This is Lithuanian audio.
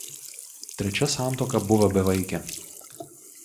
Trečia santuoka buvo bevaikė.